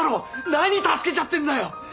何助けちゃってんだよ！